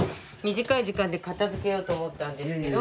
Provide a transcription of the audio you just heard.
短い時間で片付けようと思ったんですけど。